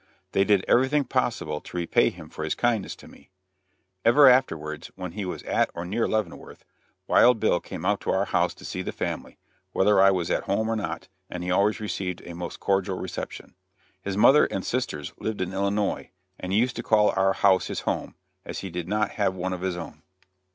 They did everything possible to repay him for his kindness to me. Ever afterwards, when he was at or near Leavenworth, Wild Bill came out to our house to see the family, whether I was at home or not, and he always received a most cordial reception. His mother and sisters lived in Illinois, and he used to call our house his home, as he did not have one of his own.